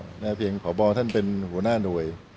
เพราะแผ่งผ่อบองว่าท่านเป็นหัวหน้าหน่วย